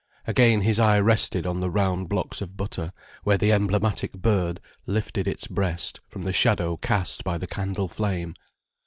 Again his eye rested on the round blocks of butter, where the emblematic bird lifted its breast from the shadow cast by the candle flame.